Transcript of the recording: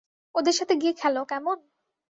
ওদের সাথে গিয়ে খেলো, কেমন?